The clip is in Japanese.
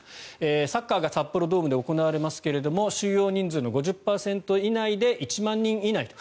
サッカーが札幌ドームで行われますけれども収容人数の５０％以内で１万人以内と。